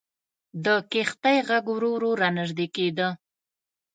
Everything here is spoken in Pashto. د کښتۍ ږغ ورو ورو را نژدې کېده.